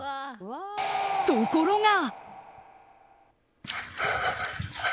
ところが。